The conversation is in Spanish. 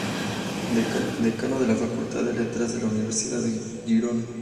Decano de la Facultad de Letras de la Universidad de Girona.